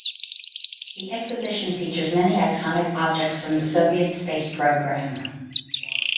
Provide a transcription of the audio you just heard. The Exhibition features many iconic objects from the Soviet space program.